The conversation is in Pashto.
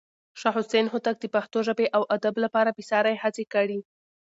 شاه حسين هوتک د پښتو ژبې او ادب لپاره بې ساری هڅې کړې.